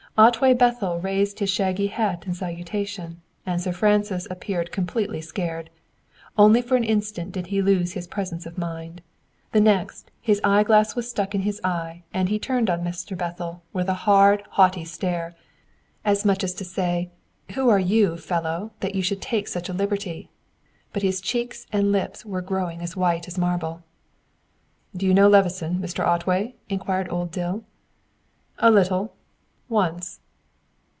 Otway Bethel raised his shaggy hat in salutation, and Sir Francis appeared completely scared. Only for an instant did he lose his presence of mind. The next, his eyeglass was stuck in his eye and turned on Mr. Bethel, with a hard, haughty stare; as much as to say, who are you, fellow, that you should take such a liberty? But his cheeks and lips were growing as white as marble. "Do you know Levison, Mr. Otway?" inquired old Dill. "A little. Once."